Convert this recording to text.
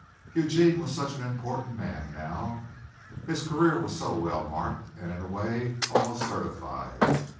Eugene was such an important man now. His career was so well marked and in a way almost certified.